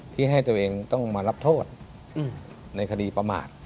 ที่ให้ตัวเองต้องมารับโทษในคดีประมาท